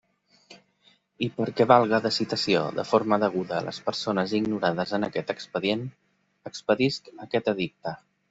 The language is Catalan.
I perquè valga de citació de forma deguda a les persones ignorades en aquest expedient, expedisc aquest edicte.